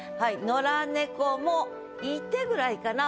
「野良猫もいて」ぐらいかな。